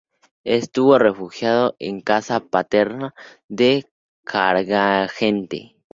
Estuvo refugiado en la casa paterna de Carcagente.